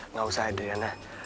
nah gak usah deh ya nah